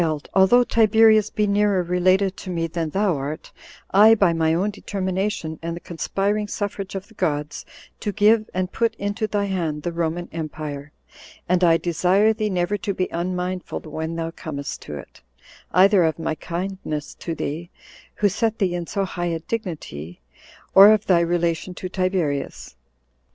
although Tiberius be nearer related to me than thou art, I, by my own determination, and the conspiring suffrage of the gods, do give and put into thy hand the Roman empire; and I desire thee never to be unmindful when thou comest to it, either of my kindness to thee, who set thee in so high a dignity, or of thy relation to Tiberius.